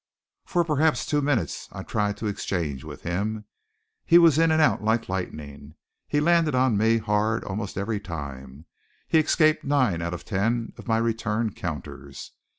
For perhaps two minutes I tried to exchange with him. He was in and out like lightning; he landed on me hard almost every time; he escaped nine out of ten of my return counters.